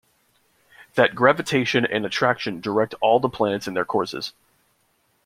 That Gravitation and Attraction direct all the Planets in their Courses.